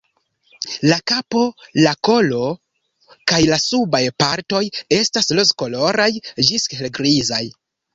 La kapo, la kolo kaj subaj partoj estas rozkoloraj ĝis helgrizaj.